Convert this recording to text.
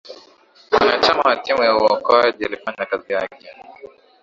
mwanachama wa timu ya uokoaji alifanya kazi yake